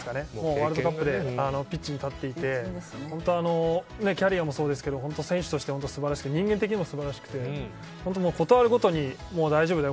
ワールドカップでピッチに立っていてキャリアもそうですが選手としても素晴らしくて人間的にも素晴らしくてことあるごとに大丈夫だよ